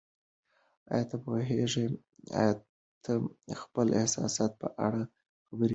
ایا ته د خپلو احساساتو په اړه خبرې کوې؟